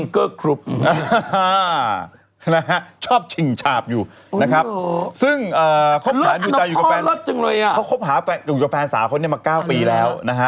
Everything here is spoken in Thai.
เขาคบหาอยู่กับแฟนสาวเขาเนี่ยมา๙ปีแล้วนะฮะ